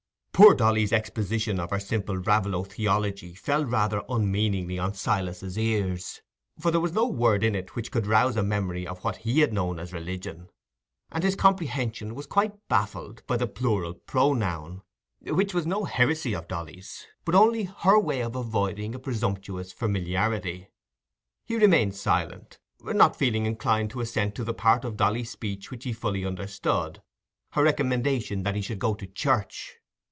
Poor Dolly's exposition of her simple Raveloe theology fell rather unmeaningly on Silas's ears, for there was no word in it that could rouse a memory of what he had known as religion, and his comprehension was quite baffled by the plural pronoun, which was no heresy of Dolly's, but only her way of avoiding a presumptuous familiarity. He remained silent, not feeling inclined to assent to the part of Dolly's speech which he fully understood—her recommendation that he should go to church.